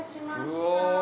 うわ。